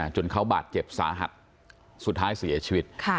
จนเขาบาดเจ็บสาหัสสุดท้ายเสียชีวิต